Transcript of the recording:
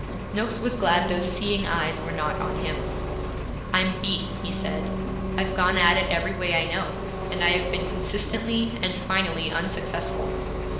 Noakes was glad those seeing eyes were not on him. 'I'm beat,' he said. 'I've gone at it every way I know, and I have been consistently and finally unsuccessful.'